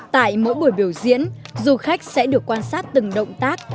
tại mỗi buổi biểu diễn du khách sẽ được quan sát từng động tác